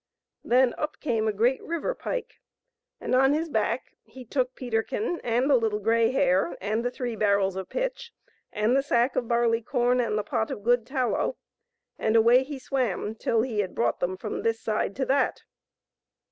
Then up came a great river pike, and on his back he took Peterkin and the Little Grey Hare and the three barrels of pitch and the sack of barley corn and the pot of good tallow, and away he swam till he had brought them from this side to that.